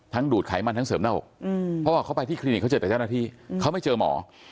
ดูดไขมันทั้งเสริมหน้าอกเพราะว่าเขาไปที่คลินิกเขาเจอแต่เจ้าหน้าที่เขาไม่เจอหมอ